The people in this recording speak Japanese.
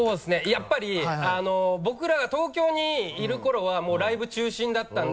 やっぱり僕らが東京にいる頃はもうライブ中心だったんで。